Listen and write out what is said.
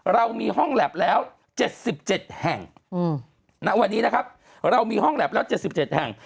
เรามีห้องแล็บแล้ว๗๗แห่งณวันนี้นะครับเรามีห้องแล็บแล้ว๗๗แห่ง